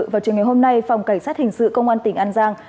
vào trường ngày hôm nay phòng cảnh sát hình sự công an tỉnh an giang